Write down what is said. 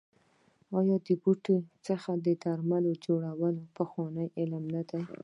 آیا د بوټو څخه د درملو جوړول پخوانی علم نه دی؟